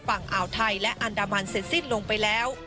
ฝั่งอ่าวไทยและอันดามันเสร็จสิ้นลงไปแล้ว